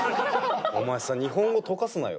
お前さ日本語とかすなよ。